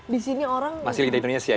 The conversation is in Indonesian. di sini orang masih lidah indonesia ya